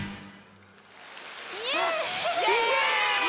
イエーイ！